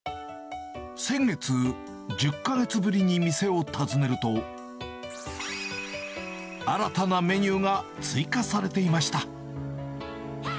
先月、１０か月ぶりに店を訪ねると、新たなメニューが追加されていました。